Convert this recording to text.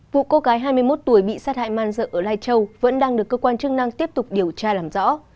vụ cô gái hai mươi một tuổi bị sát hại man dợ ở lai châu vẫn đang được cơ quan chức năng tiếp tục điều tra làm rõ